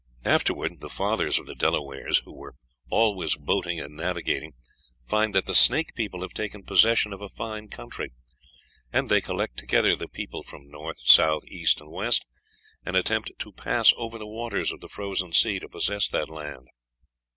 Afterward the fathers of the Delawares, who "were always boating and navigating," find that the Snake people have taken possession of a fine country; and they collect together the people from north, south, east, and west, and attempt "to pass over the waters of the frozen sea to possess that land."